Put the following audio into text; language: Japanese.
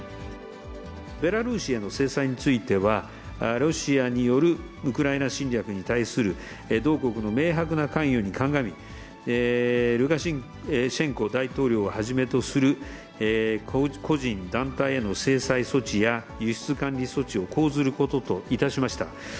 ベラルーシへの制裁については、ロシアによるウクライナ侵略に対する同国の明白な関与に鑑み、ルカシェンコ大統領をはじめとする、個人団体への制裁措置や、輸出管理措置を講ずることといたしました。